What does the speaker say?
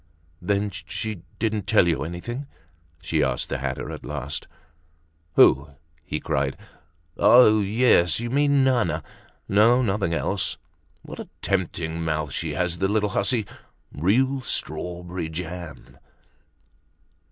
"Then she didn't tell you anything?" she asked the hatter at last. "Who?" he cried. "Ah, yes; you mean Nana. No, nothing else. What a tempting mouth she has, the little hussy! Real strawberry jam!"